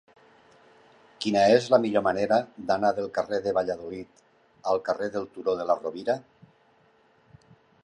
Quina és la millor manera d'anar del carrer de Valladolid al carrer del Turó de la Rovira?